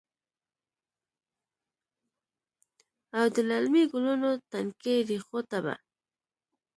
او د للمې ګلونو، تنکۍ ریښو ته به،